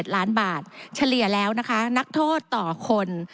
ล้านบาทเฉลี่ยแล้วนะคะนักโทษต่อคน